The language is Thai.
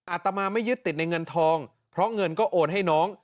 อาตมาไม่ยึดติดในเงินทองเพราะเงินก็โอนให้น้อง